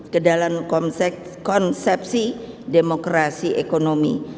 ke dalam konsepsi demokrasi ekonomi